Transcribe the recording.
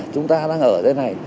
chúng ta đang ở đây này